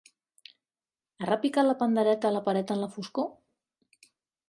Ha repicat la pandereta a la paret en la foscor?